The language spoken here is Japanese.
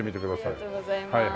ありがとうございます。